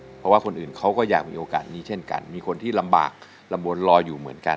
เพราะว่าคนอื่นเขาก็อยากมีโอกาสนี้เช่นกันมีคนที่ลำบากลำบลรออยู่เหมือนกัน